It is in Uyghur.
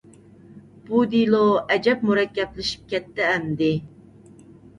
بۇ دېلو ئەجەب مۇرەككەپلىشىپ كەتتى ئەمدى.